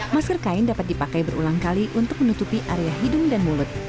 masker kain dapat dipakai berulang kali untuk menutupi area hidung dan mulut